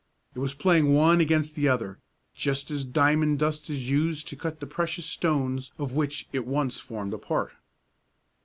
It was playing one against the other, just as diamond dust is used to cut the precious stones of which it once formed a part.